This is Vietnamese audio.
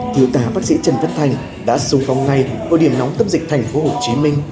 thiếu tá bác sĩ trần văn thành đã sung phong ngay vào điểm nóng tâm dịch thành phố hồ chí minh